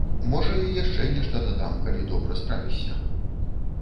Можа, і яшчэ нешта дадам, калі добра справішся.